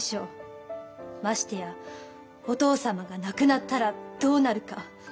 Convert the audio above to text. ましてやお父様が亡くなったらどうなるか。